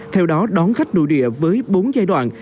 theo đó đón khách nội địa với bốn giai đoạn